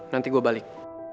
nanti gue balik